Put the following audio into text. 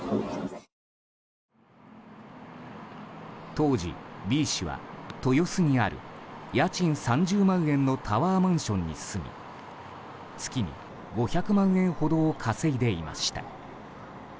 当時、Ｂ氏は豊洲にある家賃３０万円のタワーマンションに住み月に５００万円ほどを稼いでいました。